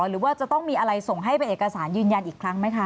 หรือว่าจะต้องมีอะไรส่งให้เป็นเอกสารยืนยันอีกครั้งไหมคะ